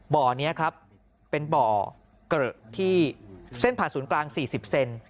บ่อนี้ครับเป็นบ่อเกลอะที่เส้นผ่านศูนย์กลาง๔๐เซน